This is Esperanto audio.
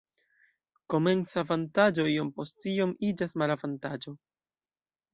Komenca avantaĝo iom post iom iĝas malavantaĝo.